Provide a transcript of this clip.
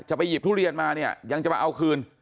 ไปหยิบทุเรียนมาเนี่ยยังจะมาเอาคืน